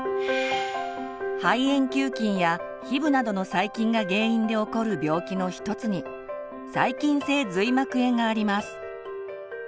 肺炎球菌やヒブなどの細菌が原因で起こる病気の一つに「細菌性髄膜炎」があります。